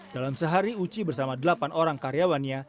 dalam sehari uci bersama delapan orang karyawannya